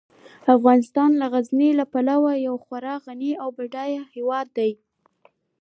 افغانستان د غزني له پلوه یو خورا غني او بډایه هیواد دی.